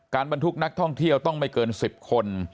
การบันทุกข์นักท่องเที่ยวต้องไม่เกินสิบคน